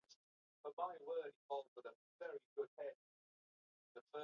دا ماشوم نقاشي کوي.